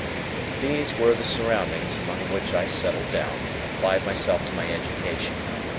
These were the surroundings among which I settled down, and applied myself to my education.